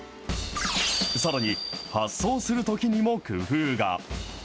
さらに、発送するときにも工夫が。